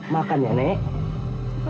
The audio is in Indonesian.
makan ya nenek